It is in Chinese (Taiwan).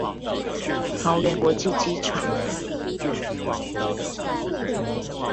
桃園國際機場